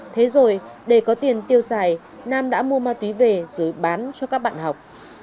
thế rồi để có tiền tiêu xài nam đã mua ma túy về rồi bán cho các bạn học